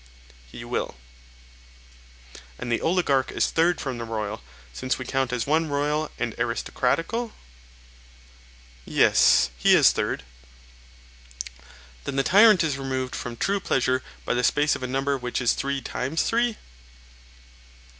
He will. And the oligarch is third from the royal; since we count as one royal and aristocratical? Yes, he is third. Then the tyrant is removed from true pleasure by the space of a number which is three times three?